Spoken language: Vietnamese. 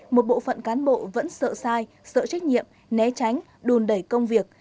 một bộ phận cán bộ vẫn sợ sai sợ trách nhiệm né tránh đùn đẩy công việc